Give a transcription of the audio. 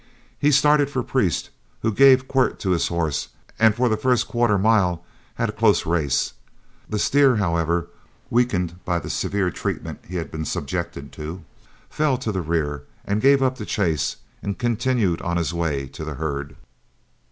He started for Priest, who gave the quirt to his horse, and for the first quarter mile had a close race. The steer, however, weakened by the severe treatment he had been subjected to, soon fell to the rear, and gave up the chase and continued on his way to the herd.